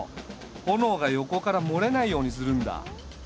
炎が横から漏れないようにするんだ。